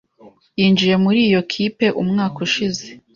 Yinjiye muri iyo kipe umwaka ushize.